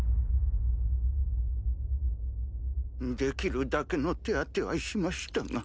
できるだけの手当てはしましたが。